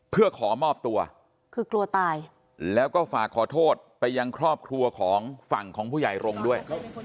เพื่อขอมอบตัวคือกลัวตายแล้วก็ฝากขอโทษไปยังครอบครัวของฝั่งของผู้ใหญ่รงค์ด้วย